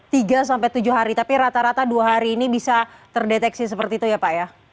tiga sampai tujuh hari tapi rata rata dua hari ini bisa terdeteksi seperti itu ya pak ya